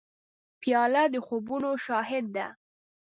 پیاله د خوبونو شاهد ده.